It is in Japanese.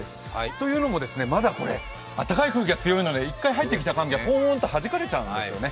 というのも、まだあったかい空気が強いので１回入ってきた空気がぽーんと、はじかれちゃうんですよね。